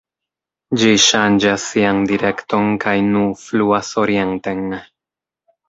Ĝi ŝanĝas sian direkton kaj nu fluas orienten.